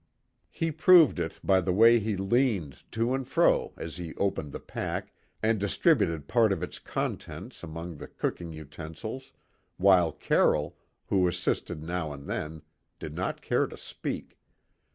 He proved it by the way he leaned to and fro as he opened the pack and distributed part of its contents among the cooking utensils, while Carroll, who assisted now and then, did not care to speak.